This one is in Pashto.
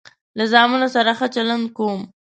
له زامنو سره ښه چلند کوم.